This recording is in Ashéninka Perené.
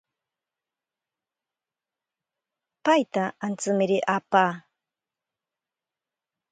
Paita antsimiri apa.